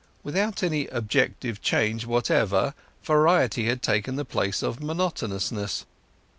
Without any objective change whatever, variety had taken the place of monotonousness.